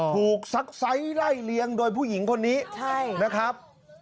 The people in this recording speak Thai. ซักไซส์ไล่เลี้ยงโดยผู้หญิงคนนี้นะครับ